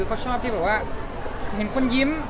เขาชอบที่แบบว่าเห็นคนยิ้ม